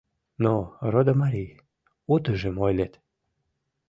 — Но, родо марий, утыжым ойлет...